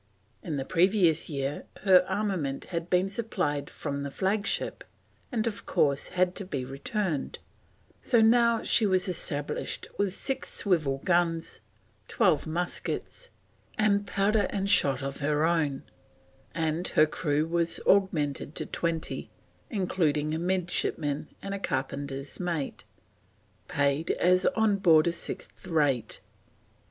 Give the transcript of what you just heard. In the previous year her armament had been supplied from the flagship, and of course had to be returned, so now she was established with "6 swivel guns, 12 Musquets, and powder and shot" of her own, and her crew was augmented to twenty, including a midshipman and a carpenter's mate, paid as on board a sixth rate.